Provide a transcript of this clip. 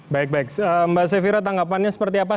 baik baik mbak sevira tanggapannya seperti apa